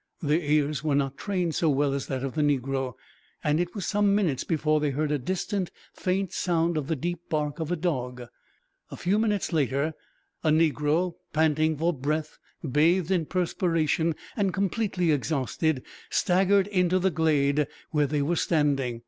Their ears were not trained so well as that of the negro, and it was some minutes before they heard a distant, faint sound of the deep bark of a dog. A few minutes later a negro, panting for breath, bathed in perspiration, and completely exhausted, staggered into the glade where they were standing.